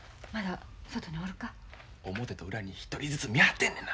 表と裏に１人ずつ見張ってんねんな。